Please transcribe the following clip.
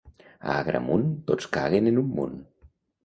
A Agramunt tots caguen en un munt.